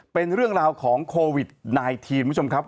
เป็นเรื่องราวของโควิด๑๙คุณผู้ชมครับ